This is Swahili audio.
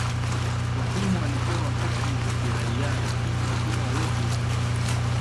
watumwa walipewa haki za kiraia Lakini watumwa wengi wa